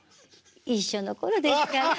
一緒の頃ですか。